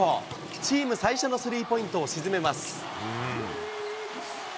チーム最初のスリーポイントを沈めます。